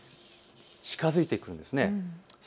近づいてくるんです。